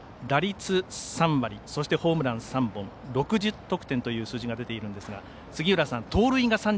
打率３割、ホームランは３本６０得点という数字が出ているんですが杉浦さん、盗塁が３３。